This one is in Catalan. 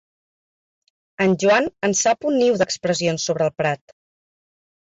En Joan en sap un niu d'expressions sobre el Prat.